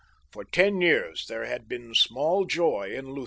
For ten years there had been small joy in Lutha.